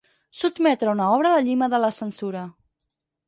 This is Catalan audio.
Sotmetre una obra a la llima de la censura.